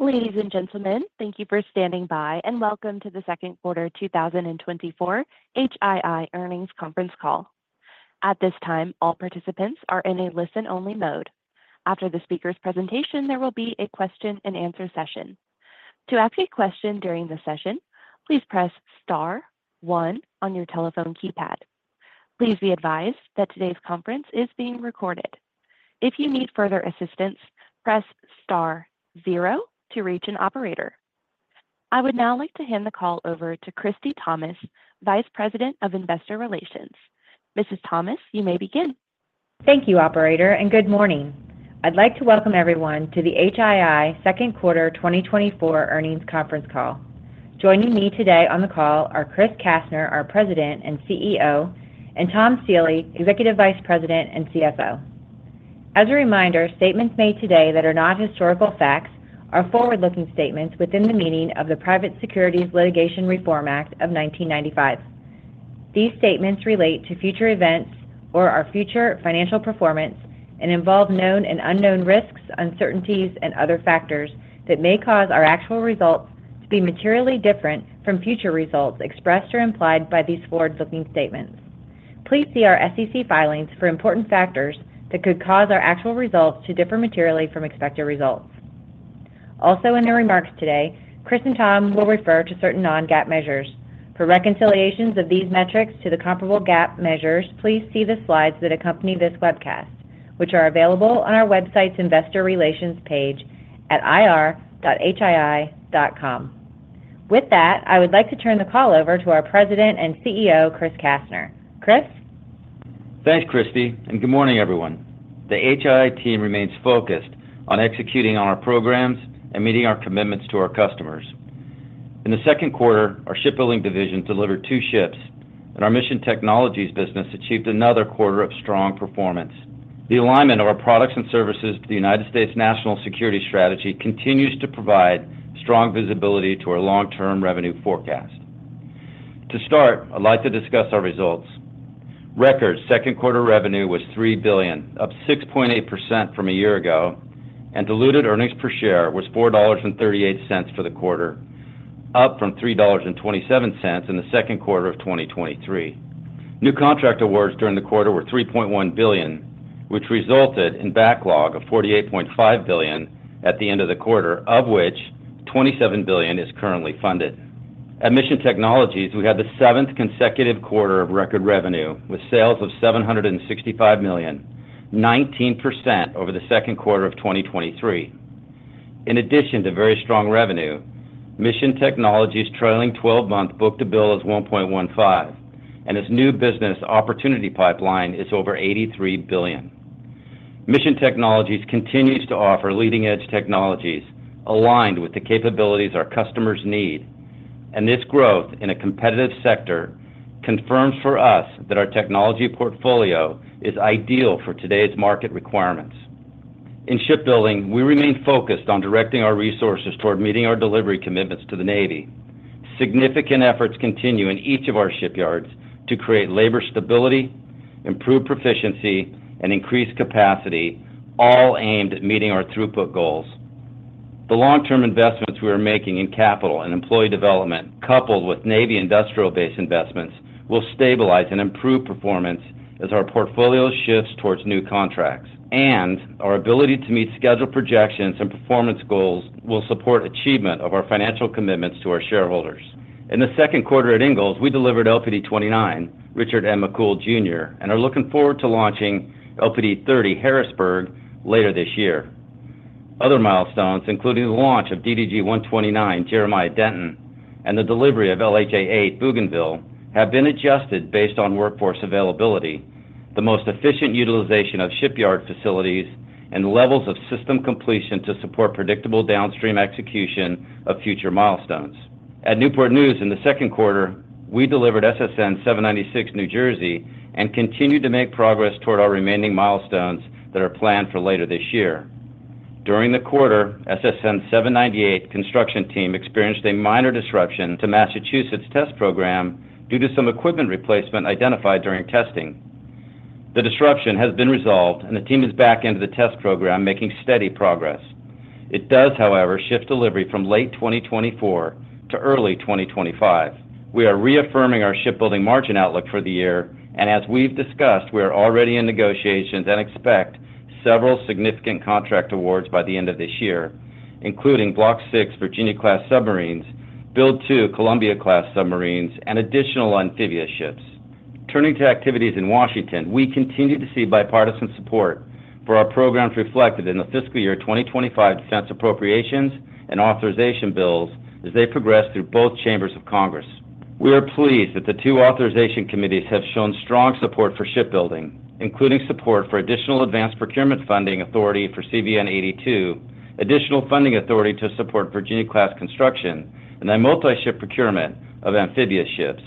Ladies and gentlemen, thank you for standing by, and welcome to the second quarter 2024 HII earnings conference call. At this time, all participants are in a listen-only mode. After the speaker's presentation, there will be a question-and-answer session. To ask a question during the session, please press star one on your telephone keypad. Please be advised that today's conference is being recorded. If you need further assistance, press star zero to reach an operator. I would now like to hand the call over to Christie Thomas, Vice President of Investor Relations. Mrs. Thomas, you may begin. Thank you, operator, and good morning. I'd like to welcome everyone to the HII second quarter 2024 earnings conference call. Joining me today on the call are Chris Kastner, our President and CEO, and Tom Stiehle, Executive Vice President and CFO. As a reminder, statements made today that are not historical facts are forward-looking statements within the meaning of the Private Securities Litigation Reform Act of 1995. These statements relate to future events or our future financial performance and involve known and unknown risks, uncertainties, and other factors that may cause our actual results to be materially different from future results expressed or implied by these forward-looking statements. Please see our SEC filings for important factors that could cause our actual results to differ materially from expected results. Also, in their remarks today, Chris and Tom will refer to certain non-GAAP measures. For reconciliations of these metrics to the comparable GAAP measures, please see the slides that accompany this webcast, which are available on our website's Investor Relations page at ir.hii.com. With that, I would like to turn the call over to our President and CEO, Chris Kastner. Chris? Thanks, Christie, and good morning, everyone. The HII team remains focused on executing on our programs and meeting our commitments to our customers. In the second quarter, our shipbuilding division delivered two ships, and our Mission Technologies business achieved another quarter of strong performance. The alignment of our products and services to the United States national security strategy continues to provide strong visibility to our long-term revenue forecast. To start, I'd like to discuss our results. Record second quarter revenue was $3 billion, up 6.8% from a year ago, and diluted earnings per share was $4.38 for the quarter, up from $3.27 in the second quarter of 2023. New contract awards during the quarter were $3.1 billion, which resulted in backlog of $48.5 billion at the end of the quarter, of which $27 billion is currently funded. At Mission Technologies, we had the seventh consecutive quarter of record revenue, with sales of $765 million, 19% over the second quarter of 2023. In addition to very strong revenue, Mission Technologies' trailing-twelve-month book-to-bill is 1.15, and its new business opportunity pipeline is over $83 billion. Mission Technologies continues to offer leading-edge technologies aligned with the capabilities our customers need, and this growth in a competitive sector confirms for us that our technology portfolio is ideal for today's market requirements. In shipbuilding, we remain focused on directing our resources toward meeting our delivery commitments to the Navy. Significant efforts continue in each of our shipyards to create labor stability, improve proficiency, and increase capacity, all aimed at meeting our throughput goals. The long-term investments we are making in capital and employee development, coupled with Navy industrial base investments, will stabilize and improve performance as our portfolio shifts towards new contracts, and our ability to meet scheduled projections and performance goals will support achievement of our financial commitments to our shareholders. In the second quarter at Ingalls, we delivered LPD-29, Richard M. McCool, Jr., and are looking forward to launching LPD-30, Harrisburg, later this year. Other milestones, including the launch of DDG-129, Jeremiah Denton, and the delivery of LHA-8, Bougainville, have been adjusted based on workforce availability, the most efficient utilization of shipyard facilities, and levels of system completion to support predictable downstream execution of future milestones. At Newport News, in the second quarter, we delivered SSN-796 New Jersey, and continued to make progress toward our remaining milestones that are planned for later this year. During the quarter, SSN-798 construction team experienced a minor disruption to Massachusetts test program due to some equipment replacement identified during testing. The disruption has been resolved, and the team is back into the test program, making steady progress. It does, however, shift delivery from late 2024 to early 2025. We are reaffirming our shipbuilding margin outlook for the year, and as we've discussed, we are already in negotiations and expect several significant contract awards by the end of this year, including Block Six Virginia-class submarines, Block Two Columbia-class submarines, and additional amphibious ships. Turning to activities in Washington, we continue to see bipartisan support for our programs reflected in the fiscal year defense appropriations and authorization bills as they progress through both chambers of Congress. We are pleased that the two authorization committees have shown strong support for shipbuilding, including support for additional advanced procurement funding authority for CVN-82, additional funding authority to support Virginia-class construction, and a multi-ship procurement of amphibious ships.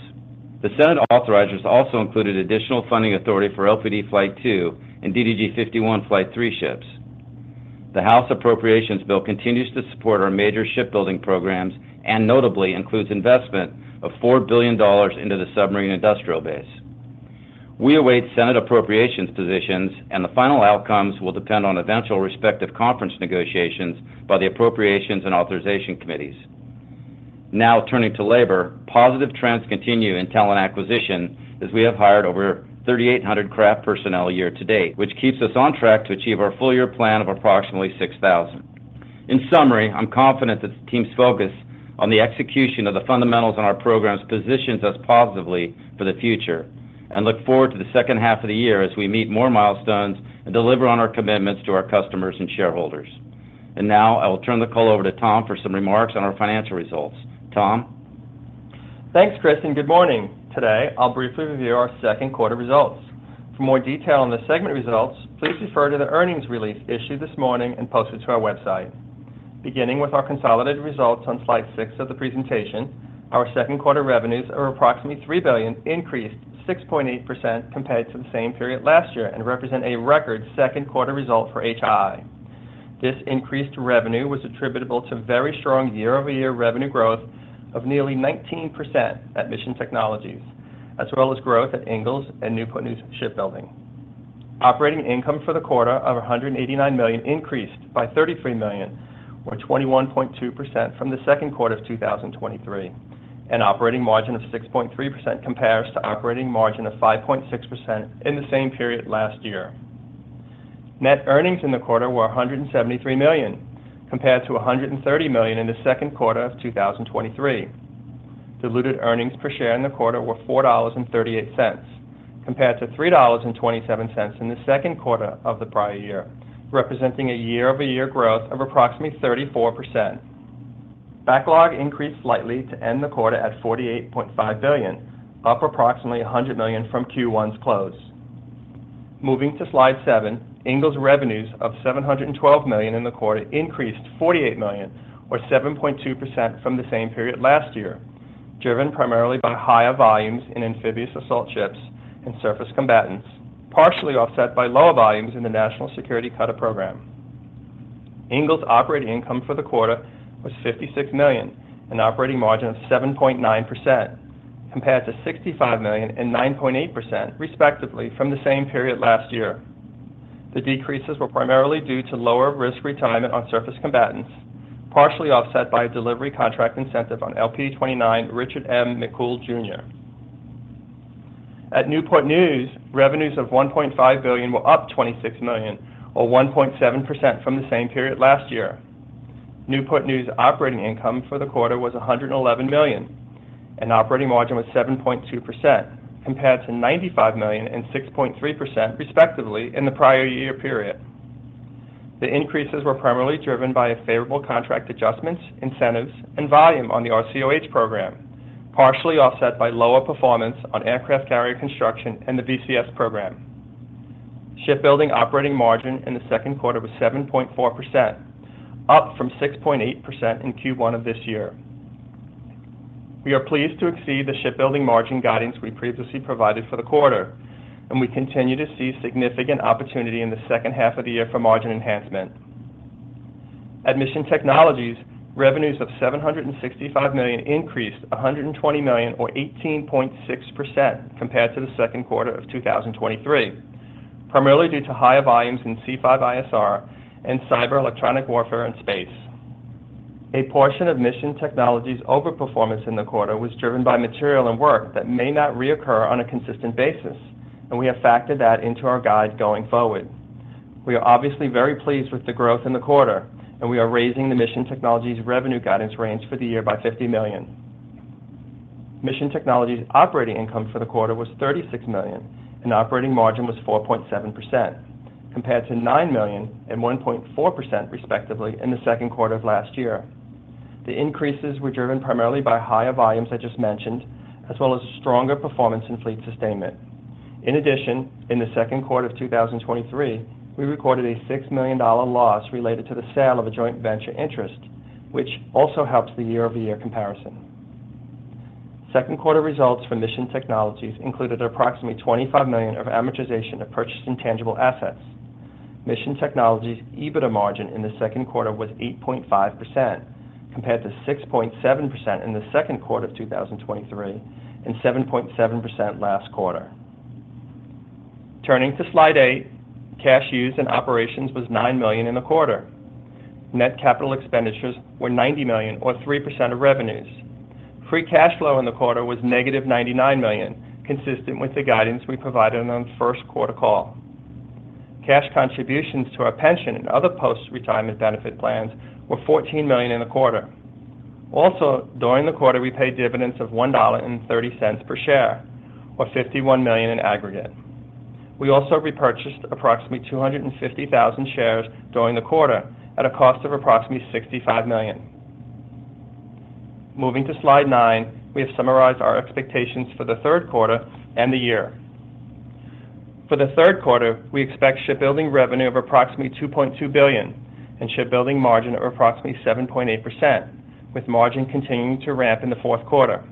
The Senate authorizers also included additional funding authority for LPD Flight II and DDG 51 Flight III ships. The House Appropriations bill continues to support our major shipbuilding programs and notably includes investment of $4 billion into the submarine industrial base. We await Senate appropriations positions, and the final outcomes will depend on eventual respective conference negotiations by the Appropriations and Authorization Committees. Now, turning to labor. Positive trends continue in talent acquisition, as we have hired over 3,800 craft personnel a year to date, which keeps us on track to achieve our full-year plan of approximately 6,000. In summary, I'm confident that the team's focus on the execution of the fundamentals in our programs positions us positively for the future, and look forward to the second half of the year as we meet more milestones and deliver on our commitments to our customers and shareholders. And now, I will turn the call over to Tom for some remarks on our financial results. Tom? Thanks, Chris, and good morning. Today, I'll briefly review our second quarter results. For more detail on the segment results, please refer to the earnings release issued this morning and posted to our website. Beginning with our consolidated results on slide six of the presentation, our second quarter revenues are approximately $3 billion, increased 6.8% compared to the same period last year, and represent a record second quarter result for HII. This increased revenue was attributable to very strong year-over-year revenue growth of nearly 19% at Mission Technologies, as well as growth at Ingalls and Newport News Shipbuilding. Operating income for the quarter of $189 million increased by $33 million, or 21.2% from the second quarter of 2023, and operating margin of 6.3% compares to operating margin of 5.6% in the same period last year. Net earnings in the quarter were $173 million, compared to $130 million in the second quarter of 2023. Diluted earnings per share in the quarter were $4.38, compared to $3.27 in the second quarter of the prior year, representing a year-over-year growth of approximately 34%. Backlog increased slightly to end the quarter at $48.5 billion, up approximately $100 million from Q1's close. Moving to slide seven, Ingalls revenues of $712 million in the quarter increased $48 million, or 7.2% from the same period last year, driven primarily by higher volumes in amphibious assault ships and surface combatants, partially offset by lower volumes in the National Security Cutter program. Ingalls operating income for the quarter was $56 million, an operating margin of 7.9%, compared to $65 million and 9.8%, respectively, from the same period last year. The decreases were primarily due to lower risk retirement on surface combatants, partially offset by a delivery contract incentive on LPD-29 Richard M. McCool, Jr. At Newport News, revenues of $1.5 billion were up $26 million, or 1.7% from the same period last year. Newport News operating income for the quarter was $111 million, and operating margin was 7.2%, compared to $95 million and 6.3%, respectively, in the prior year period. The increases were primarily driven by a favorable contract adjustments, incentives, and volume on the RCOH program, partially offset by lower performance on aircraft carrier construction and the VCS program. Shipbuilding operating margin in the second quarter was 7.4%, up from 6.8% in Q1 of this year. We are pleased to exceed the shipbuilding margin guidance we previously provided for the quarter, and we continue to see significant opportunity in the second half of the year for margin enhancement. At Mission Technologies, revenues of $765 million increased $120 million, or 18.6%, compared to the second quarter of 2023, primarily due to higher volumes in C5ISR and Cyber Electronic Warfare and Space. A portion of Mission Technologies' overperformance in the quarter was driven by material and work that may not reoccur on a consistent basis, and we have factored that into our guide going forward. We are obviously very pleased with the growth in the quarter, and we are raising the Mission Technologies revenue guidance range for the year by $50 million. Mission Technologies' operating income for the quarter was $36 million, and operating margin was 4.7%, compared to $9 million and 1.4%, respectively, in the second quarter of last year. The increases were driven primarily by higher volumes, I just mentioned, as well as stronger performance in fleet sustainment. In addition, in the second quarter of 2023, we recorded a $6 million loss related to the sale of a joint venture interest, which also helps the year-over-year comparison. Second quarter results for Mission Technologies included approximately $25 million of amortization of purchased intangible assets. Mission Technologies' EBITDA margin in the second quarter was 8.5%, compared to 6.7% in the second quarter of 2023, and 7.7% last quarter. Turning to slide eight, cash used in operations was $9 million in the quarter. Net capital expenditures were $90 million or 3% of revenues. Free cash flow in the quarter was -$99 million, consistent with the guidance we provided on the first quarter call. Cash contributions to our pension and other post-retirement benefit plans were $14 million in the quarter. Also, during the quarter, we paid dividends of $1.30 per share, or $51 million in aggregate. We also repurchased approximately 250,000 shares during the quarter at a cost of approximately $65 million. Moving to Slide 9, we have summarized our expectations for the third quarter and the year. For the third quarter, we expect shipbuilding revenue of approximately $2.2 billion and shipbuilding margin of approximately 7.8%, with margin continuing to ramp in the fourth quarter.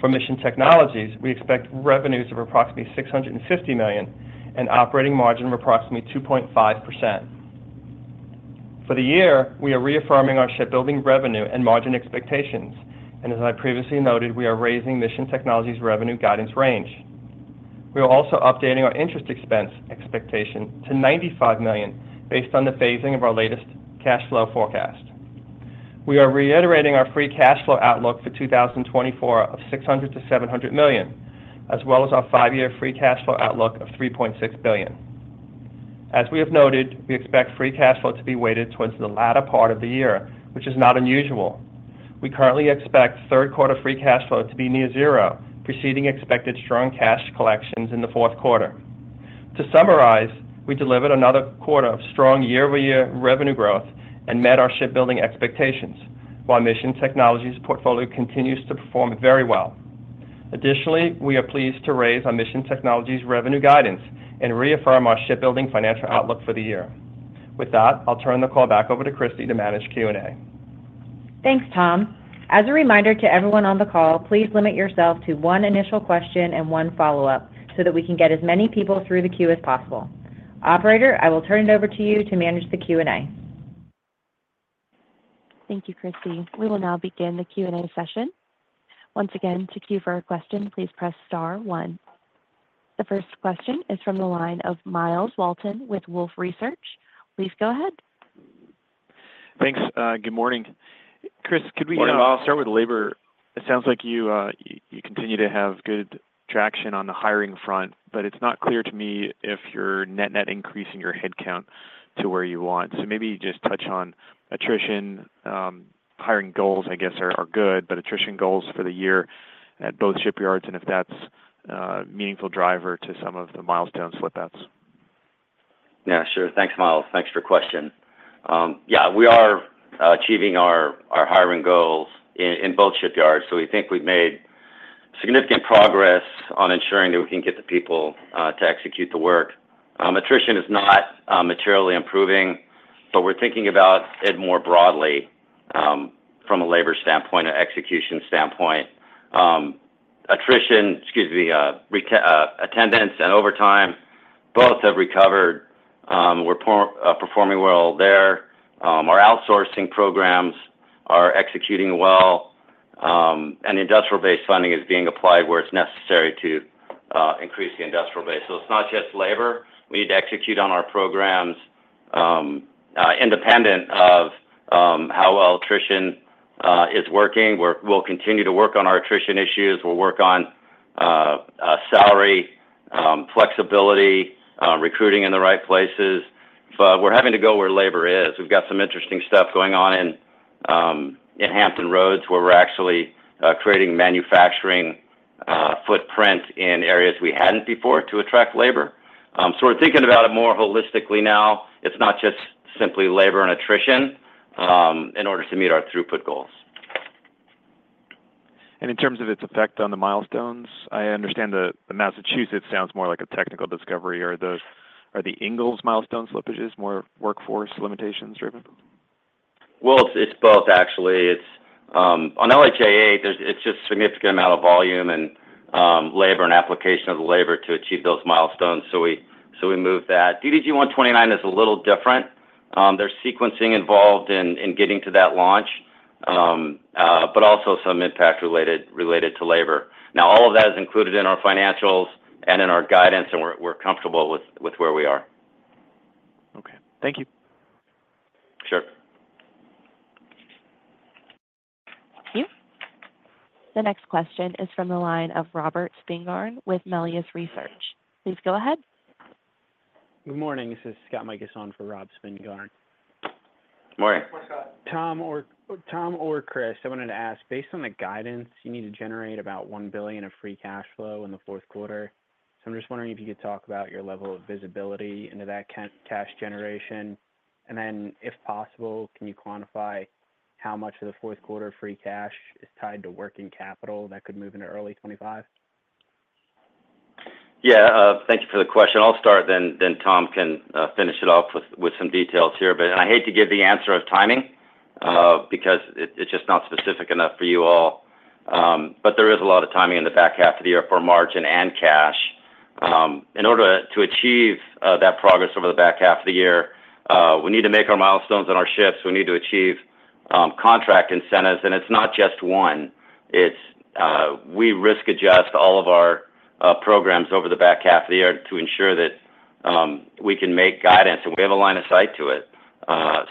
For Mission Technologies, we expect revenues of approximately $650 million and operating margin of approximately 2.5%. ...For the year, we are reaffirming our shipbuilding revenue and margin expectations, and as I previously noted, we are raising Mission Technologies revenue guidance range. We are also updating our interest expense expectation to $95 million, based on the phasing of our latest cash flow forecast. We are reiterating our free cash flow outlook for 2024 of $600 million-$700 million, as well as our five-year free cash flow outlook of $3.6 billion. As we have noted, we expect free cash flow to be weighted towards the latter part of the year, which is not unusual. We currently expect third quarter free cash flow to be near zero, preceding expected strong cash collections in the fourth quarter. To summarize, we delivered another quarter of strong year-over-year revenue growth and met our shipbuilding expectations, while Mission Technologies portfolio continues to perform very well. Additionally, we are pleased to raise our Mission Technologies revenue guidance and reaffirm our shipbuilding financial outlook for the year. With that, I'll turn the call back over to Christie to manage Q&A. Thanks, Tom. As a reminder to everyone on the call, please limit yourself to one initial question and one follow-up so that we can get as many people through the queue as possible. Operator, I will turn it over to you to manage the Q&A. Thank you, Christie. We will now begin the Q&A session. Once again, to queue for a question, please press star one. The first question is from the line of Myles Walton with Wolfe Research. Please go ahead. Thanks. Good morning. Chris, could we- Good morning, Myles. Start with labor? It sounds like you, you continue to have good traction on the hiring front, but it's not clear to me if you're net net increasing your headcount to where you want. So maybe just touch on attrition. Hiring goals, I guess, are, are good, but attrition goals for the year at both shipyards, and if that's a meaningful driver to some of the milestone slip outs. Yeah, sure. Thanks, Myles. Thanks for your question. Yeah, we are achieving our hiring goals in both shipyards, so we think we've made significant progress on ensuring that we can get the people to execute the work. Attrition is not materially improving, but we're thinking about it more broadly from a labor standpoint or execution standpoint. Attrition, excuse me, attendance and overtime, both have recovered. We're performing well there. Our outsourcing programs are executing well, and the industrial base funding is being applied where it's necessary to increase the industrial base. So it's not just labor. We need to execute on our programs independent of how well attrition is working. We'll continue to work on our attrition issues. We'll work on salary, flexibility, recruiting in the right places, but we're having to go where labor is. We've got some interesting stuff going on in Hampton Roads, where we're actually creating manufacturing footprint in areas we hadn't before to attract labor. So we're thinking about it more holistically now. It's not just simply labor and attrition in order to meet our throughput goals. In terms of its effect on the milestones, I understand the Massachusetts sounds more like a technical discovery. Are the Ingalls milestones slippages more workforce limitations-driven? Well, it's both actually. It's on LHA-8, there's just a significant amount of volume and labor and application of the labor to achieve those milestones, so we moved that. DDG-129 is a little different. There's sequencing involved in getting to that launch, but also some impact related to labor. Now, all of that is included in our financials and in our guidance, and we're comfortable with where we are. Okay. Thank you. Sure. Thank you. The next question is from the line of Robert Spingarn with Melius Research. Please go ahead. Good morning. This is Scott Mikus for Rob Spingarn. Morning. Morning, Scott. Tom or Chris, I wanted to ask, based on the guidance, you need to generate about $1 billion of free cash flow in the fourth quarter. So I'm just wondering if you could talk about your level of visibility into that cash generation. And then, if possible, can you quantify how much of the fourth quarter free cash is tied to working capital that could move into early 2025? Yeah, thank you for the question. I'll start then, then Tom can, finish it off with, with some details here. But I hate to give the answer of timing, because it, it's just not specific enough for you all. But there is a lot of timing in the back half of the year for margin and cash. In order to achieve, that progress over the back half of the year, we need to make our milestones on our ships. We need to achieve, contract incentives, and it's not just one. It's, we risk adjust all of our, programs over the back half of the year to ensure that, we can make guidance, and we have a line of sight to it.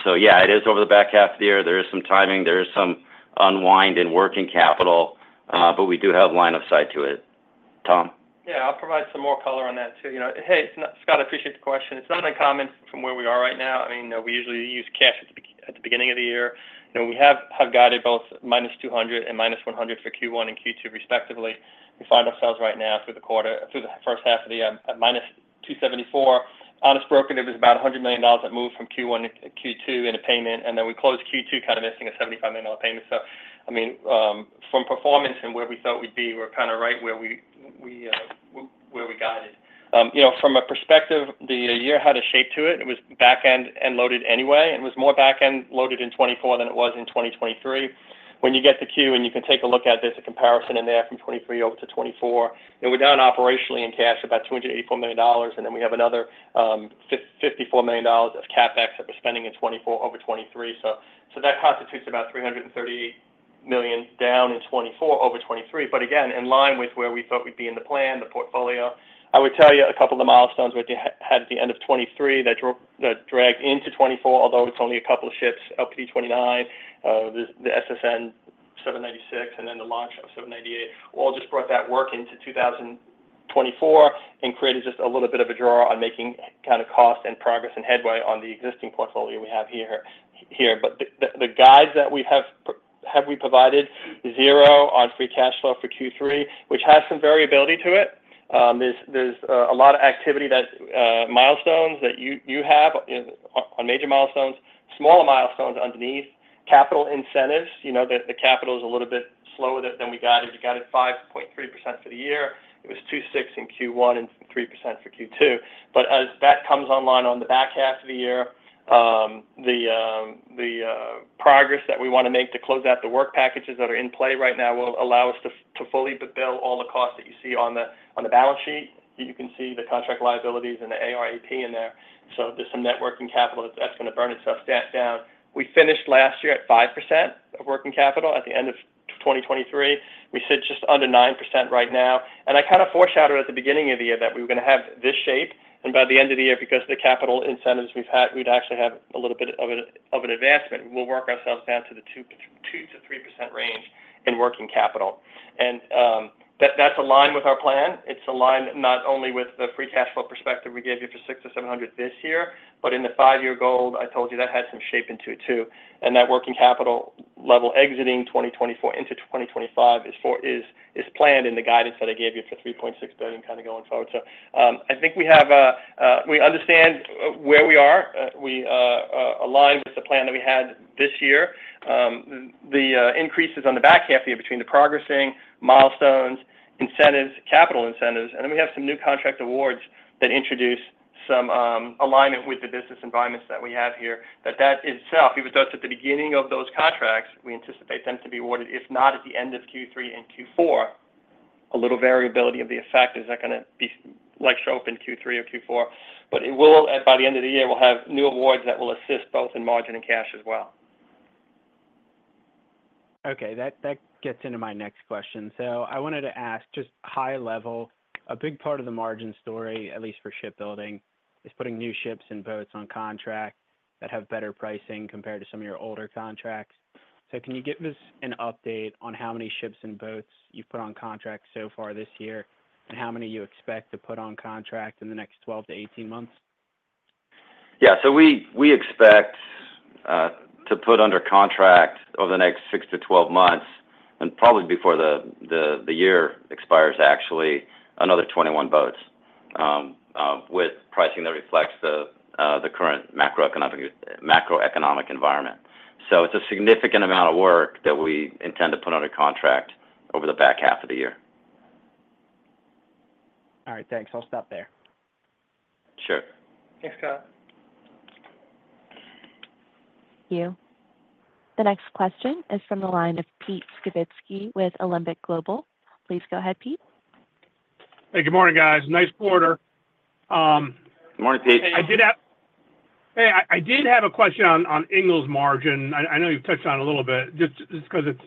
So yeah, it is over the back half of the year. There is some timing, there is some unwind in working capital, but we do have line of sight to it. Tom? Yeah, I'll provide some more color on that too. You know, hey, Scott, I appreciate the question. It's not uncommon from where we are right now. I mean, we usually use cash at the beginning of the year, and we have guided both -$200 million and -$100 million for Q1 and Q2, respectively. We find ourselves right now through the quarter, through the first half of the year, at -$274 million. Honest broker, there was about $100 million that moved from Q1 to Q2 in a payment, and then we closed Q2, kind of, missing a $75 million payment. So, I mean, from performance and where we thought we'd be, we're kind of right where we guided. You know, from a perspective, the year had a shape to it. It was back end loaded anyway. It was more back end loaded in 2024 than it was in 2023. When you get to Q, and you can take a look at this, a comparison in there from 2023 over to 2024, and we're down operationally in cash about $284 million, and then we have another, $54 million of CapEx that we're spending in 2024 over 2023. So, so that constitutes about $338-... million down in 2024 over 2023. But again, in line with where we thought we'd be in the plan, the portfolio. I would tell you a couple of the milestones which we had at the end of 2023 that drew, that dragged into 2024, although it's only a couple of ships, LPD 29, the SSN 796, and then the launch of SSN 798, all just brought that work into 2024 and created just a little bit of a draw on making kind of cost and progress and headway on the existing portfolio we have here. But the guides that we have we provided, $0 free cash flow for Q3, which has some variability to it. There's a lot of activity, milestones that you have on major milestones, smaller milestones underneath capital incentives. You know, the capital is a little bit slower than we guided. We guided 5.3% for the year. It was 2.6% in Q1 and 3% for Q2. But as that comes online on the back half of the year, the progress that we wanna make to close out the work packages that are in play right now will allow us to fully bill all the costs that you see on the balance sheet. You can see the contract liabilities and the AR/AP in there. So there's some net working capital that's gonna burn itself down. We finished last year at 5% of working capital at the end of 2023. We sit just under 9% right now, and I kind of foreshadowed at the beginning of the year that we were gonna have this shape. And by the end of the year, because of the capital incentives we've had, we'd actually have a little bit of an advancement. We'll work ourselves down to the 2%-3% range in working capital. And that's aligned with our plan. It's aligned not only with the free cash flow perspective we gave you for $600 million-$700 million this year, but in the five-year goal, I told you that had some shape into it, too. And that working capital level exiting 2024 into 2025 is planned in the guidance that I gave you for $3.6 billion kind of going forward. So, I think we have, we understand where we are. We aligned with the plan that we had this year. The increases on the back half year between the progressing milestones, incentives, capital incentives, and then we have some new contract awards that introduce some alignment with the business environments that we have here. That, that itself, even though it's at the beginning of those contracts, we anticipate them to be awarded, if not at the end of Q3 and Q4. A little variability of the effect is not gonna be, like, show up in Q3 or Q4, but it will, by the end of the year, we'll have new awards that will assist both in margin and cash as well. Okay, that gets into my next question. So I wanted to ask just high level, a big part of the margin story, at least for shipbuilding, is putting new ships and boats on contract that have better pricing compared to some of your older contracts. So can you give us an update on how many ships and boats you've put on contract so far this year, and how many you expect to put on contract in the next 12-18 months? Yeah. So we expect to put under contract over the next 6 to 12 months, and probably before the year expires, actually, another 21 boats, with pricing that reflects the current macroeconomic environment. So it's a significant amount of work that we intend to put under contract over the back half of the year. All right. Thanks. I'll stop there. Sure. Thanks, Scott. The next question is from the line of Pete Skibitski with Alembic Global. Please go ahead, Pete. Hey, good morning, guys. Nice quarter. Good morning, Pete. I did have a question on Ingalls margin. I know you've touched on it a little bit, just 'cause it's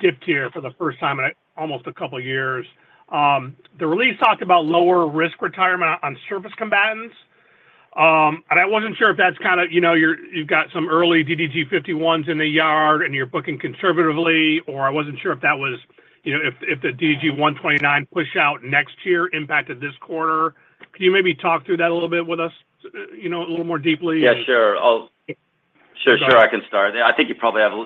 dipped here for the first time in almost a couple years. The release talked about lower risk retirement on surface combatants, and I wasn't sure if that's kind of, you know, you've got some early DDG-51s in the yard and you're booking conservatively, or I wasn't sure if that was, you know, if the DDG-129 pushout next year impacted this quarter. Could you maybe talk through that a little bit with us, you know, a little more deeply? Yeah, sure. Sure, sure, I can start. I think you probably have a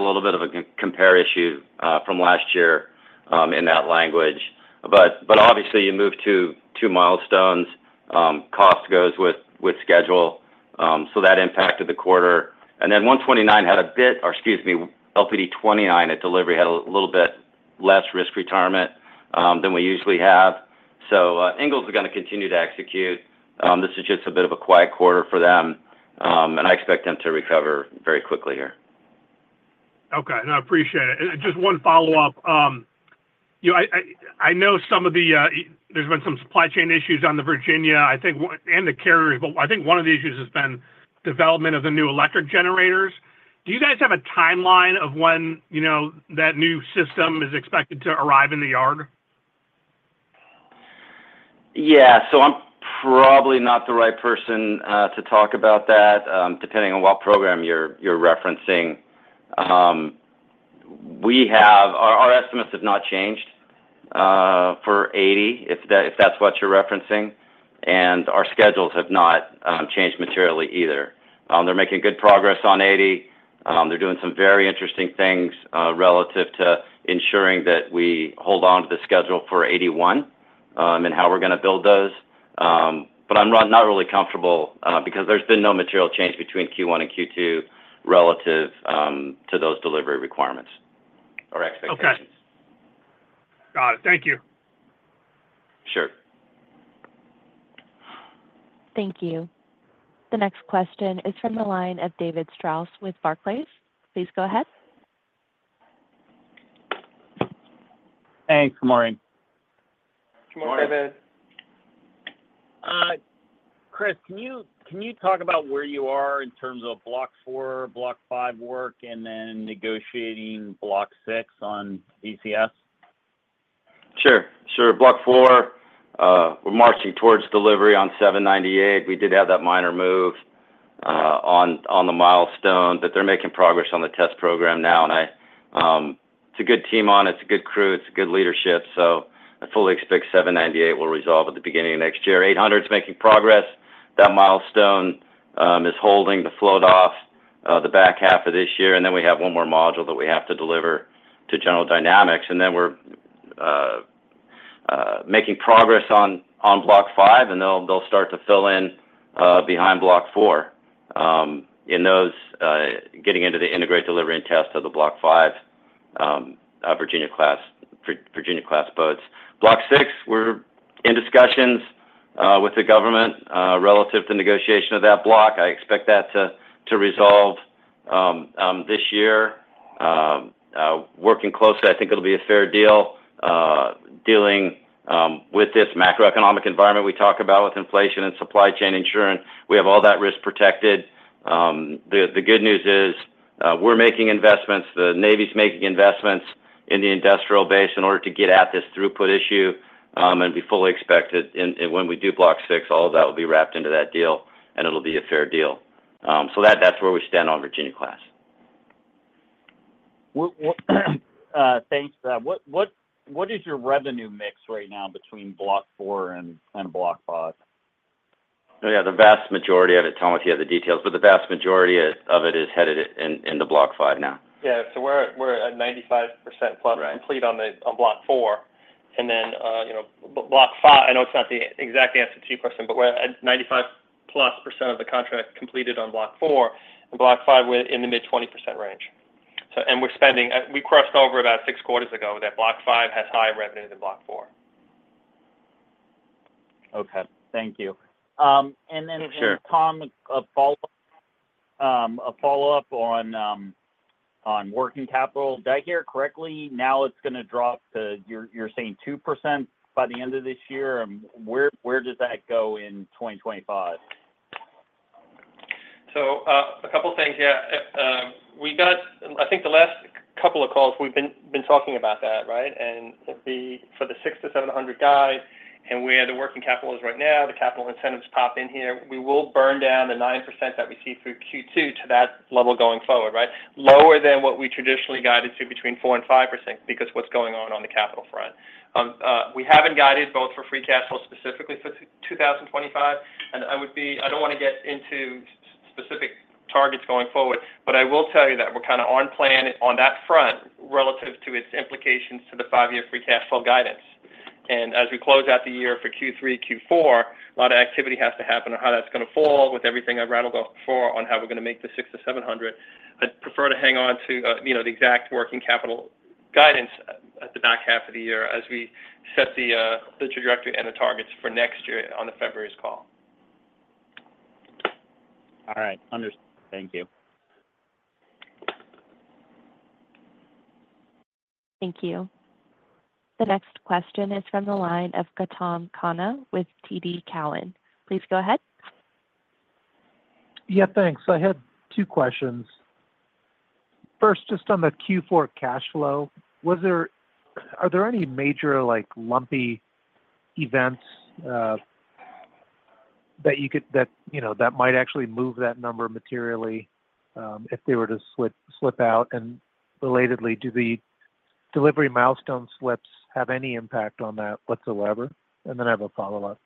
little bit of a compare issue from last year in that language. But obviously, you moved to two milestones. Cost goes with schedule, so that impacted the quarter. And then 129 had a bit, or excuse me, LPD 29 at delivery had a little bit less risk retirement than we usually have. So, Ingalls are gonna continue to execute. This is just a bit of a quiet quarter for them, and I expect them to recover very quickly here. Okay, no, I appreciate it. Just one follow-up. You know, I know some of the, there's been some supply chain issues on the Virginia, I think, and the carriers, but I think one of the issues has been development of the new electric generators. Do you guys have a timeline of when, you know, that new system is expected to arrive in the yard? Yeah. So I'm probably not the right person to talk about that, depending on what program you're referencing. Our estimates have not changed for 80, if that's what you're referencing, and our schedules have not changed materially either. They're making good progress on 80. They're doing some very interesting things relative to ensuring that we hold on to the schedule for 81, and how we're gonna build those. But I'm not really comfortable because there's been no material change between Q1 and Q2 relative to those delivery requirements or expectations. Okay. Got it. Thank you. Sure. Thank you. The next question is from the line of David Strauss with Barclays. Please go ahead. Thanks. Good morning. Good morning. Chris, can you talk about where you are in terms of Block Four, Block Five work, and then negotiating Block Six on VCS? Sure. Sure. Block Four, we're marching towards delivery on 798. We did have that minor move on the milestone, but they're making progress on the test program now. And I, it's a good team on it, it's a good crew, it's a good leadership, so I fully expect 798 will resolve at the beginning of next year. 800's making progress. That milestone is holding the float off the back half of this year, and then we have one more module that we have to deliver to General Dynamics. And then we're making progress on Block Five, and they'll start to fill in behind Block Four, in those getting into the integrated delivery and test of the Block Five Virginia-class boats. Block Six, we're in discussions with the government relative to negotiation of that block. I expect that to resolve this year. Working closely, I think it'll be a fair deal. Dealing with this macroeconomic environment we talk about, with inflation and supply chain insurance, we have all that risk protected. The good news is, we're making investments, the Navy's making investments in the industrial base in order to get at this throughput issue, and we fully expect it, and when we do Block Six, all of that will be wrapped into that deal, and it'll be a fair deal. So that's where we stand on Virginia-class. What, thanks for that. What is your revenue mix right now between Block Four and Block Five? Yeah, the vast majority of it, Tom, if you have the details, but the vast majority of it is headed in Block Five now. Yeah. So we're at 95% plus- Right... complete on block four. And then, you know, block five, I know it's not the exact answer to your question, but we're at 95%+ of the contract completed on block four, and block five, we're in the mid-20% range. So, and we're spending, we crossed over about six quarters ago, that block five has higher revenue than block four. Okay. Thank you. And then- Sure... Tom, a follow-up on working capital. Did I hear correctly, now it's gonna drop to, you're saying 2% by the end of this year? Where does that go in 2025? So, a couple things here. We got, I think the last couple of calls we've been talking about that, right? And, for the $600-$700 guide, and where the working capital is right now, the capital incentives pop in here, we will burn down the 9% that we see through Q2 to that level going forward, right? Lower than what we traditionally guided to between 4% and 5%, because what's going on on the capital front. We haven't guided both for free cash flow, specifically for 2025, and I would be, I don't want to get into specific targets going forward, but I will tell you that we're kind of on plan on that front relative to its implications to the five-year free cash flow guidance. As we close out the year for Q3, Q4, a lot of activity has to happen on how that's going to fall with everything I've rattled off before on how we're going to make the $600-$700. I'd prefer to hang on to, you know, the exact working capital guidance at the back half of the year as we set the trajectory and the targets for next year on the February's call. All right. Understood. Thank you. Thank you. The next question is from the line of Gautam Khanna with TD Cowen. Please go ahead. Yeah, thanks. I had two questions. First, just on the Q4 cash flow, was there—Are there any major, like, lumpy events that you know that might actually move that number materially if they were to slip out? And relatedly, do the delivery milestone slips have any impact on that whatsoever? And then I have a follow-up.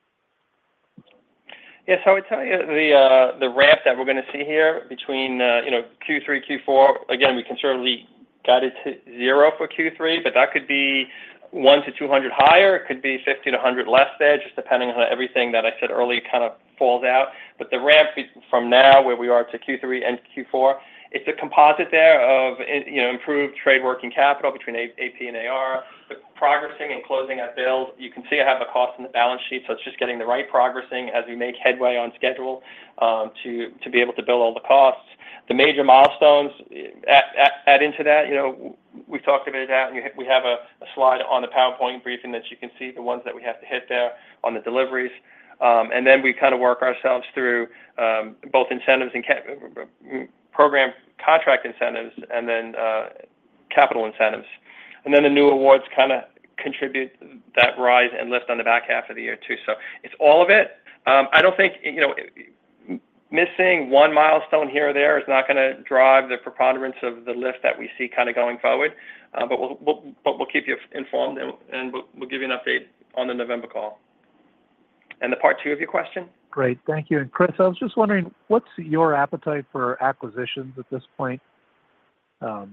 Yes, so I would tell you the ramp that we're going to see here between, you know, Q3, Q4, again, we can certainly guide it to $0 for Q3, but that could be $100-$200 higher, it could be $50-$100 less there, just depending on how everything that I said earlier kind of falls out. But the ramp from now, where we are to Q3 and Q4, it's a composite there of, you know, improved trade working capital between AP and AR, but progressing and closing that build. You can see I have the cost in the balance sheet, so it's just getting the right progressing as we make headway on schedule, to be able to build all the costs. The major milestones add into that, you know, we talked about that, and we have a slide on the PowerPoint briefing that you can see the ones that we have to hit there on the deliveries. And then we kind of work ourselves through both incentives and contract program incentives, and then capital incentives. And then, the new awards kind of contribute that rise and lift on the back half of the year, too. So it's all of it. I don't think, you know, missing one milestone here or there is not gonna drive the preponderance of the lift that we see kind of going forward. But we'll keep you informed, and we'll give you an update on the November call. And the part two of your question? Great. Thank you. And, Chris, I was just wondering, what's your appetite for acquisitions at this point? Yeah,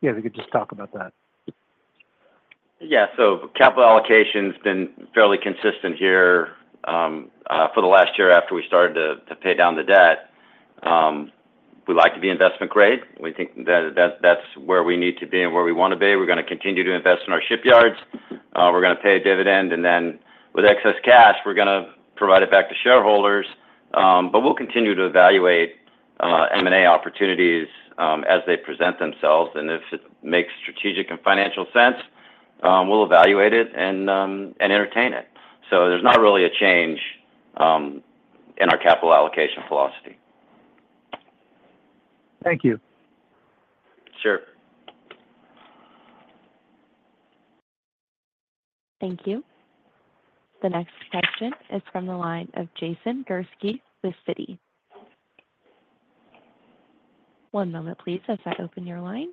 if you could just talk about that. Yeah. So capital allocation's been fairly consistent here, for the last year after we started to pay down the debt. We like to be investment grade. We think that, that's where we need to be and where we want to be. We're going to continue to invest in our shipyards. We're going to pay a dividend, and then with excess cash, we're gonna provide it back to shareholders. But we'll continue to evaluate, M&A opportunities, as they present themselves, and if it makes strategic and financial sense. We'll evaluate it and, and entertain it. So there's not really a change, in our capital allocation philosophy. Thank you. Sure. Thank you. The next question is from the line of Jason Gursky with Citi. One moment, please, as I open your line.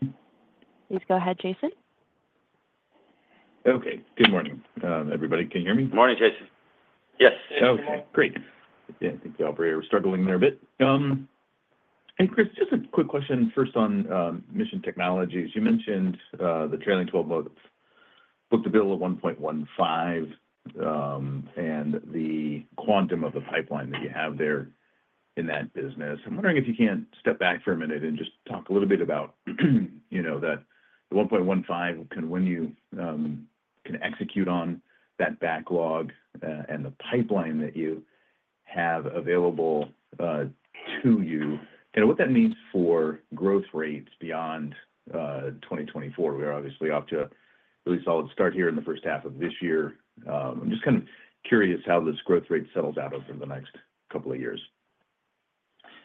Please go ahead, Jason. Okay. Good morning, everybody. Can you hear me? Morning, Jason. Yes. Okay, great. Yeah, I think the operator was struggling there a bit. And Chris, just a quick question first on Mission Technologies. You mentioned the trailing twelve months book-to-bill of 1.15, and the quantum of the pipeline that you have there in that business. I'm wondering if you can't step back for a minute and just talk a little bit about, you know, the 1.15, kind of, when you can execute on that backlog, and the pipeline that you have available to you, kind of what that means for growth rates beyond 2024. We are obviously off to a really solid start here in the first half of this year. I'm just kind of curious how this growth rate settles out over the next couple of years.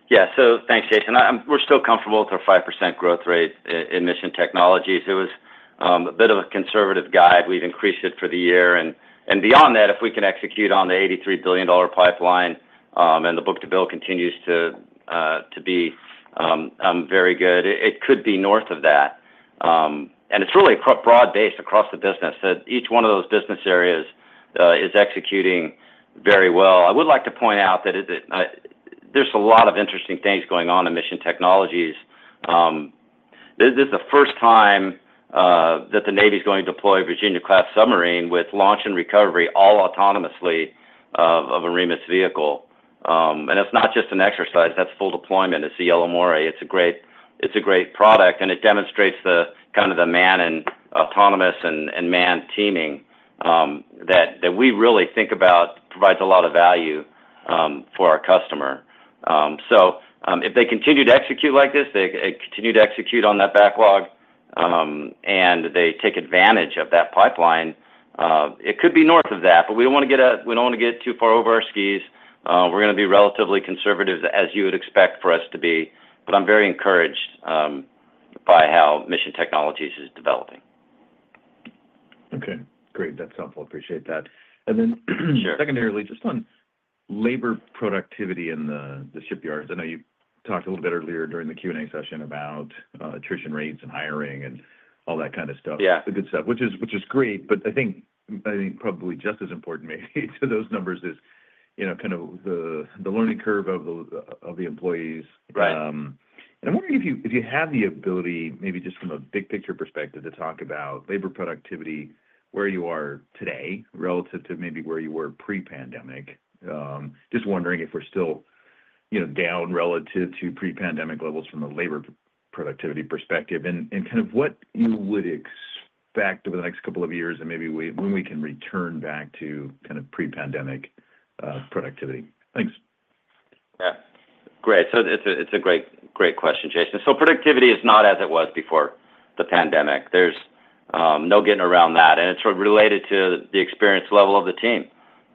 Yeah. So thanks, Jason. We're still comfortable with our 5% growth rate in Mission Technologies. It was a bit of a conservative guide. We've increased it for the year, and beyond that, if we can execute on the $83 billion pipeline, and the book-to-bill continues to be very good, it could be north of that. And it's really a broad base across the business, that each one of those business areas is executing very well. I would like to point out that there's a lot of interesting things going on in Mission Technologies. This is the first time that the Navy is going to deploy a Virginia-class submarine with launch and recovery, all autonomously, of a REMUS vehicle. And it's not just an exercise, that's full deployment. It's the Yellow Moray. It's a great, it's a great product, and it demonstrates the kind of the manned and autonomous and, and manned teaming, that, that we really think about provides a lot of value, for our customer. So, if they continue to execute like this, they, they continue to execute on that backlog, and they take advantage of that pipeline, it could be north of that, but we don't want to get, we don't want to get too far over our skis. We're gonna be relatively conservative, as you would expect for us to be, but I'm very encouraged, by how Mission Technologies is developing. Okay, great. That's helpful. Appreciate that. And then- Sure... secondarily, just on labor productivity in the shipyards. I know you talked a little bit earlier during the Q&A session about attrition rates and hiring and all that kind of stuff. Yeah. The good stuff, which is great, but I think probably just as important maybe to those numbers is, you know, kind of the learning curve of the employees. Right. And I'm wondering if you, if you have the ability, maybe just from a big picture perspective, to talk about labor productivity, where you are today relative to maybe where you were pre-pandemic. Just wondering if we're still, you know, down relative to pre-pandemic levels from a labor productivity perspective, and, and kind of what you would expect over the next couple of years and maybe we, when we can return back to kind of pre-pandemic productivity? Thanks. Yeah. Great. So it's a, it's a great, great question, Jason. So productivity is not as it was before the pandemic. There's no getting around that, and it's related to the experience level of the team.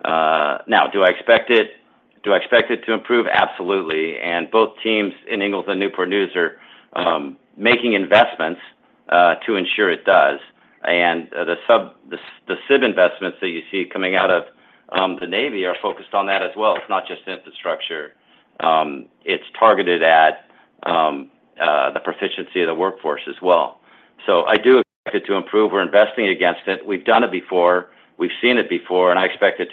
Now, do I expect it, do I expect it to improve? Absolutely. And both teams in Ingalls and Newport News are making investments to ensure it does. And the SIB investments that you see coming out of the Navy are focused on that as well. It's not just infrastructure, it's targeted at the proficiency of the workforce as well. So I do expect it to improve. We're investing against it. We've done it before, we've seen it before, and I expect it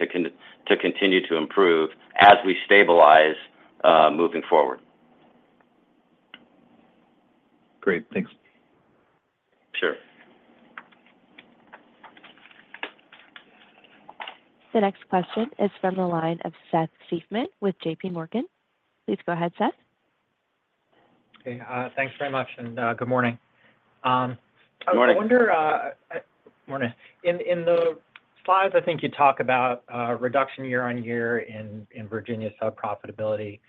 to continue to improve as we stabilize moving forward. Great. Thanks. Sure. The next question is from the line of Seth Seifman with JPMorgan. Please go ahead, Seth. Okay, thanks very much, and good morning. Good morning. Morning. In the slides, I think you talk about reduction year on year in Virginia sub profitability.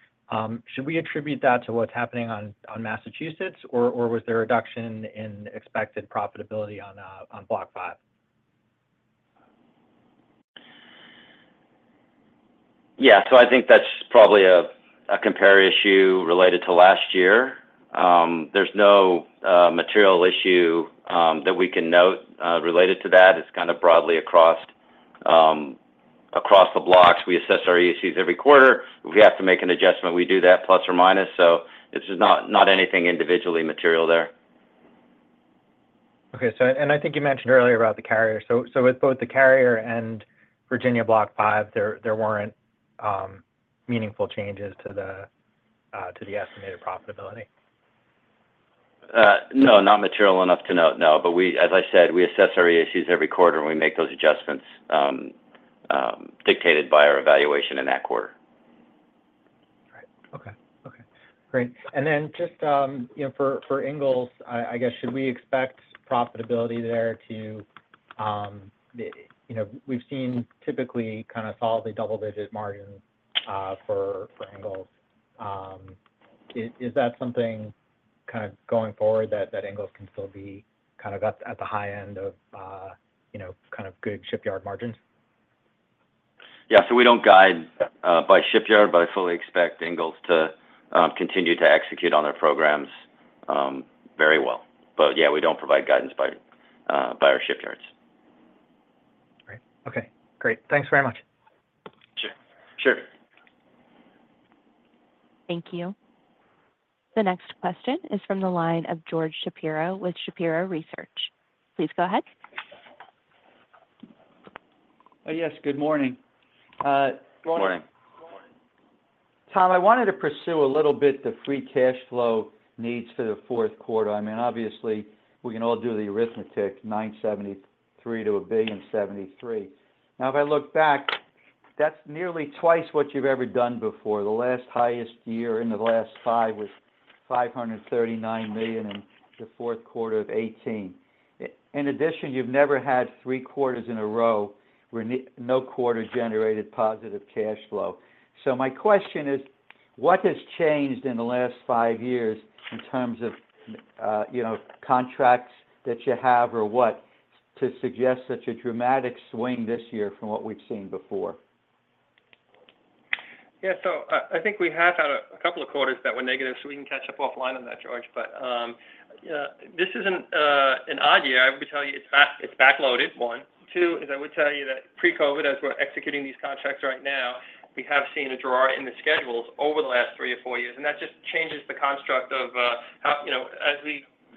Should we attribute that to what's happening on Massachusetts or was there a reduction in expected profitability on Block Five? Yeah. So I think that's probably a compare issue related to last year. There's no material issue that we can note related to that. It's kind of broadly across the blocks. We assess our issues every quarter. If we have to make an adjustment, we do that plus or minus, so this is not anything individually material there. Okay. So, and I think you mentioned earlier about the carrier. So, with both the carrier and Virginia Block Five, there weren't meaningful changes to the estimated profitability? No, not material enough to note, no. But we, as I said, we assess our issues every quarter, and we make those adjustments, dictated by our evaluation in that quarter. Right. Okay. Okay, great. And then just, you know, for Ingalls, I guess, should we expect profitability there to- You know, we've seen typically kind of solidly double-digit margins for Ingalls. Is that something kind of going forward that Ingalls can still be kind of at the high end of, you know, kind of good shipyard margins? Yeah, so we don't guide by shipyard, but I fully expect Ingalls to continue to execute on their programs very well. But yeah, we don't provide guidance by our shipyards. Great. Okay, great. Thanks very much. Sure. Sure. Thank you. The next question is from the line of George Shapiro with Shapiro Research. Please go ahead. Yes, good morning. Good morning. Tom, I wanted to pursue a little bit the free cash flow needs for the fourth quarter. I mean, obviously, we can all do the arithmetic, $973 million-$1.073 billion. Now, if I look back, that's nearly twice what you've ever done before. The last highest year in the last five was $539 million in the fourth quarter of 2018. In addition, you've never had three quarters in a row where no quarter generated positive cash flow. So my question is, what has changed in the last five years in terms of, you know, contracts that you have or what, to suggest such a dramatic swing this year from what we've seen before? Yeah. So I, I think we have had a couple of quarters that were negative, so we can catch up offline on that, George. But, yeah, this isn't an odd year. I would tell you it's back, it's backloaded, one. Two, is I would tell you that pre-COVID, as we're executing these contracts right now, we have seen a draw in the schedules over the last 3 or 4 years, and that just changes the construct of, how, you know, as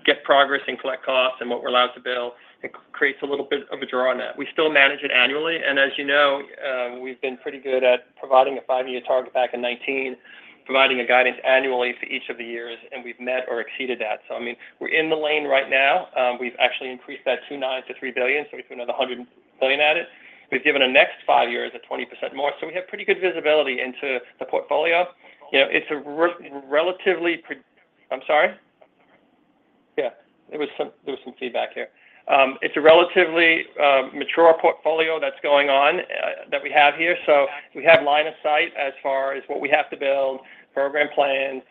we get progress and collect costs and what we're allowed to bill, it creates a little bit of a draw on that. We still manage it annually, and as you know, we've been pretty good at providing a 5-year target back in 2019, providing a guidance annually for each of the years, and we've met or exceeded that. So, I mean, we're in the lane right now. We've actually increased that $2.9-$3 billion, so we put another $100 million at it. We've given the next 5 years a 20% more, so we have pretty good visibility into the portfolio. You know, it's a relatively mature portfolio that's going on, that we have here. So we have line of sight as far as what we have to build, program plans,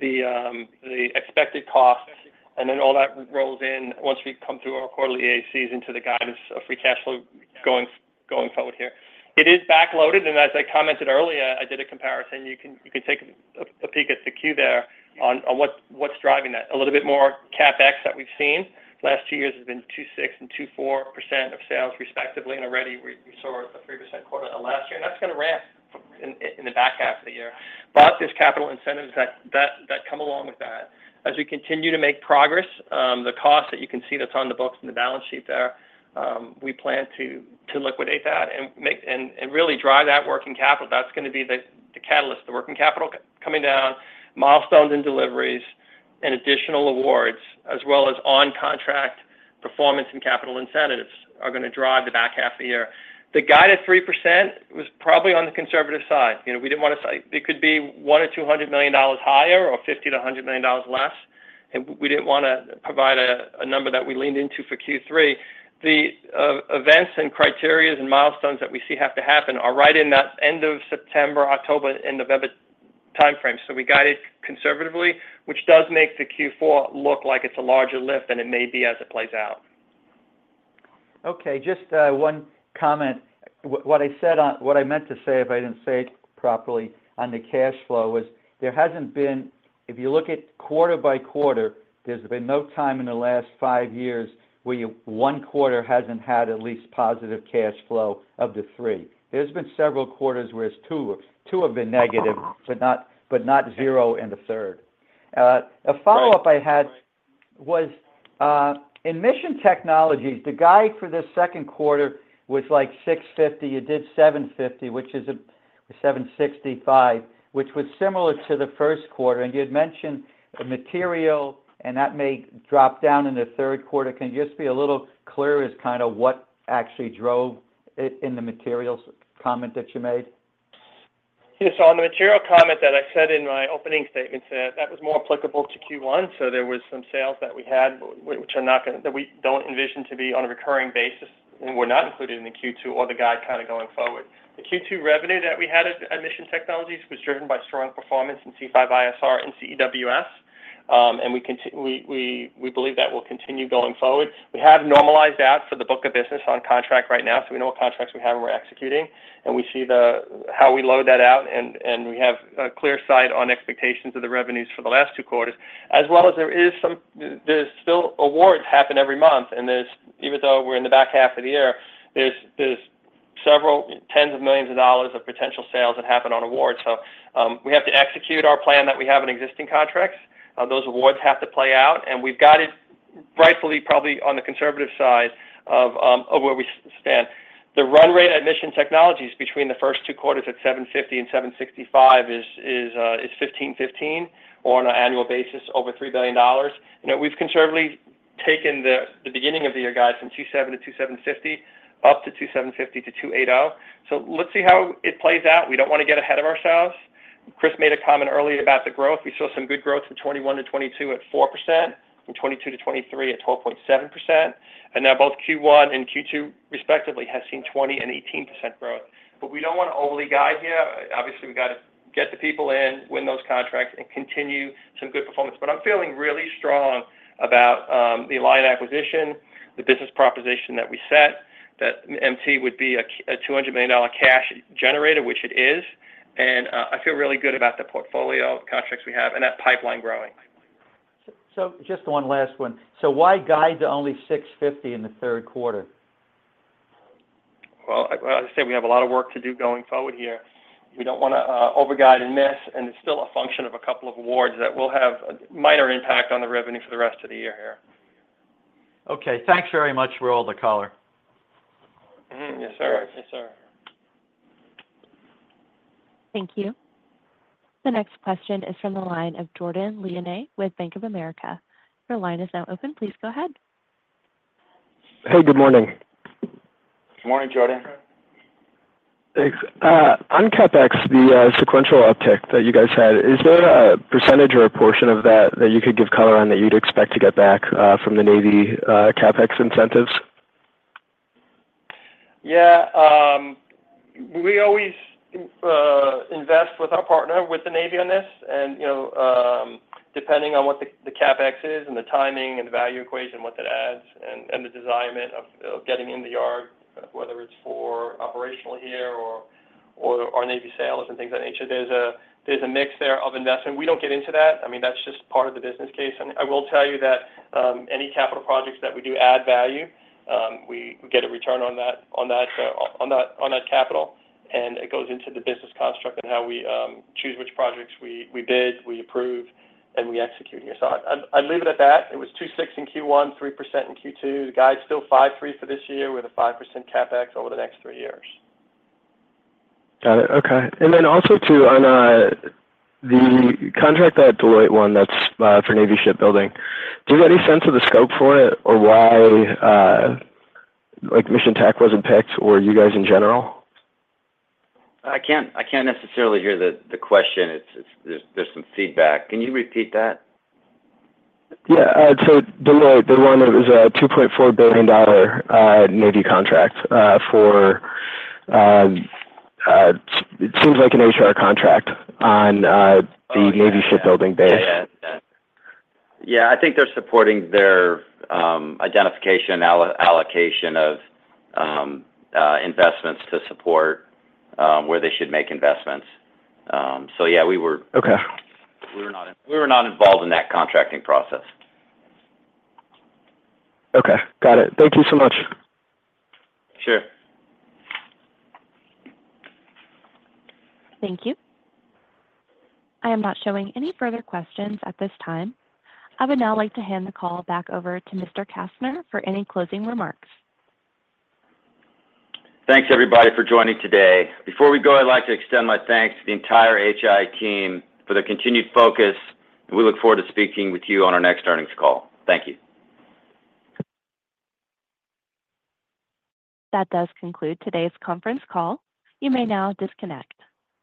the expected costs, and then all that rolls in once we come through our quarterly EACs into the guidance of free cash flow going forward here. It is backloaded, and as I commented earlier, I did a comparison. You can take a peek at the Q there on what's driving that. A little bit more CapEx that we've seen. The last two years have been 2.6% and 2.4% of sales respectively, and already we saw a 3% quarter last year, and that's gonna ramp up in the back half of the year. But there's capital incentives that come along with that. As we continue to make progress, the cost that you can see that's on the books and the balance sheet there, we plan to liquidate that and really drive that working capital. That's gonna be the catalyst, the working capital coming down, milestones and deliveries, and additional awards, as well as on-contract performance and capital incentives, are gonna drive the back half of the year. The guided 3% was probably on the conservative side. You know, we didn't want to say... It could be $100 million or $200 million higher or $50 million-$100 million less, and we didn't wanna provide a number that we leaned into for Q3. The events and criteria and milestones that we see have to happen are right in that end of September, October, end of November timeframe. So we guide it conservatively, which does make the Q4 look like it's a larger lift than it may be as it plays out. Okay, just one comment. What I said on—what I meant to say, if I didn't say it properly, on the cash flow was there hasn't been, if you look at quarter by quarter, there's been no time in the last five years where one quarter hasn't had at least positive cash flow of the three. There's been several quarters where it's two. Two have been negative, but not zero in the third. Right. A follow-up I had was, in Mission Technologies, the guide for the second quarter was like $650. You did $750, which is a $765, which was similar to the first quarter, and you'd mentioned a material, and that may drop down in the third quarter. Can you just be a little clearer as kind of what actually drove it in the materials comment that you made? Yes. So on the material comment that I said in my opening statement, that was more applicable to Q1, so there was some sales that we had, which we don't envision to be on a recurring basis, and were not included in the Q2 or the guide kind of going forward. The Q2 revenue that we had at Mission Technologies was driven by strong performance in C5 ISR and CEWS. And we believe that will continue going forward. We have normalized that for the book of business on contract right now, so we know what contracts we have and we're executing, and we see how we load that out, and we have a clear sight on expectations of the revenues for the last two quarters, as well as there's still awards happen every month, and there's even though we're in the back half of the year, there's $ several tens of millions of potential sales that happen on awards. So, we have to execute our plan that we have in existing contracts. Those awards have to play out, and we've got it rightfully probably on the conservative side of where we stand. The run rate Mission Technologies between the first two quarters at $750 million and $765 million is $1,515 million or on an annual basis, over $3 billion. You know, we've conservatively taken the beginning of the year guide from $2.7 billion to $2.75 billion, up to $2.75 billion to $2.80 billion. So let's see how it plays out. We don't want to get ahead of ourselves. Chris made a comment earlier about the growth. We saw some good growth in 2021-2022 at 4%, from 2022-2023 at 12.7%, and now both Q1 and Q2 respectively, have seen 20% and 18% growth. But we don't want to overly guide here. Obviously, we've got to get the people in, win those contracts, and continue some good performance. But I'm feeling really strong about the Alion acquisition, the business proposition that we set, that MT would be a $200 million cash generator, which it is, and I feel really good about the portfolio of contracts we have and that pipeline growing. So, just one last one. So why guide to only $650 in the third quarter? Well, like I said, we have a lot of work to do going forward here. We don't wanna, overguide and miss, and it's still a function of a couple of awards that will have a minor impact on the revenue for the rest of the year here. Okay. Thanks very much for all the color. Mm-hmm. Yes, sir. Yes, sir. Thank you. The next question is from the line of Jordan Lyonnais with Bank of America. Your line is now open. Please go ahead. Hey, good morning. Good morning, Jordan. Thanks. On CapEx, the sequential uptick that you guys had, is there a percentage or a portion of that that you'd expect to get back from the Navy CapEx incentives? Yeah. We always invest with our partner, with the Navy on this, and, you know, depending on what the CapEx is and the timing and the value equation, what that adds, and the assignment of getting in the yard, whether it's for operational year or our Navy sailors and things of that nature, there's a mix there of investment. We don't get into that. I mean, that's just part of the business case. And I will tell you that any capital projects that we do add value, we get a return on that capital, and it goes into the business construct and how we choose which projects we bid, we approve, and we execute here. So I'd leave it at that. It was 2.6 in Q1, 3% in Q2. The guide's still 5.3 for this year, with a 5% CapEx over the next three years. Got it. Okay. And then also, too, on the contract that Deloitte won, that's for Navy shipbuilding, do you have any sense of the scope for it or why, like, Mission Tech wasn't picked, or you guys in general? I can't necessarily hear the question. There's some feedback. Can you repeat that? Yeah. So Deloitte, the one that was a $2.4 billion Navy contract, for it seems like an HR contract on, Oh, yeah... the Navy shipbuilding base. Yeah. Yeah. Yeah, I think they're supporting their identification and allocation of investments to support where they should make investments. So yeah, we were- Okay... we were not involved in that contracting process. Okay. Got it. Thank you so much. Sure. Thank you. I am not showing any further questions at this time. I would now like to hand the call back over to Mr. Kastner for any closing remarks. Thanks, everybody, for joining today. Before we go, I'd like to extend my thanks to the entire HII team for their continued focus, and we look forward to speaking with you on our next earnings call. Thank you. That does conclude today's conference call. You may now disconnect.